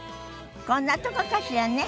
こんなとこかしらね。